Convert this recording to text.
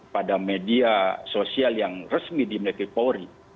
pada media sosial yang resmi di melayu kepori